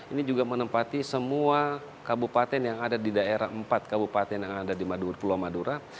ini juga menempati semua kabupaten yang ada di daerah empat kabupaten yang ada di pulau madura